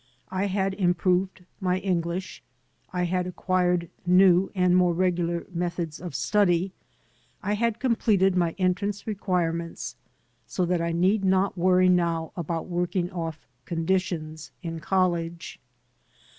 I had im proved my English; I had acquired new and more regu lar methods of study; I had completed my entrance re quirements, so that I need not worry now about working oflf "conditions'* in college.